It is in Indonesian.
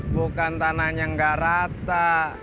bukan tanahnya nggak rata